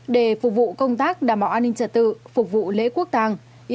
bốn đề phục vụ công tác đảm bảo an ninh trật tự phục vụ lễ quốc tàng